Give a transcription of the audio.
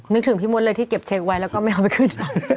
นึกถึงพี่มดเลยที่เก็บเช็คไว้แล้วก็ไม่เอาไปขึ้น